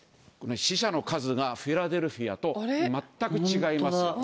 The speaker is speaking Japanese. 死者の数がフィラデルフィアと全く違います。